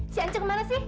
si anca kemana sih